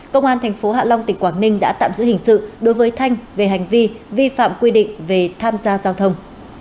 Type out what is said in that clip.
công an tp hạ long tỉnh quảng ninh đã tạm giữ hình sự đối với thanh về hành vi vi phạm quy định về tham gia giao thông